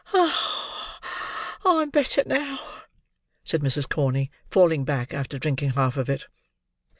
"I'm better now," said Mrs. Corney, falling back, after drinking half of it.